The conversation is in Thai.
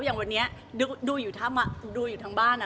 อย่างวันนี้ดูอยู่ทางบ้าน